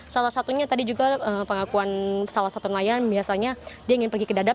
salah satunya tadi juga pengakuan salah satu nelayan biasanya dia ingin pergi ke dadap